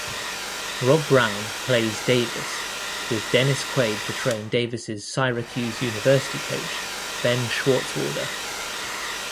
Rob Brown plays Davis, with Dennis Quaid portraying Davis' Syracuse University coach, Ben Schwartzwalder.